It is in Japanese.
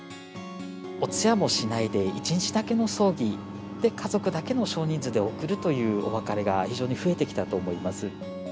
お通夜もしないで１日だけの葬儀で、家族だけの少人数で送るというお別れが非常に増えてきたと思います。